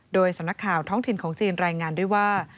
โดยสำนักข่าวท้องถิ่นของจีนรายงานด้วยว่า